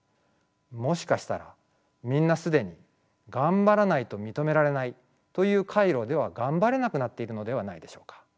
もしかしたらみんな既に「がんばらないと認められない」という回路ではがんばれなくなっているのではないでしょうか。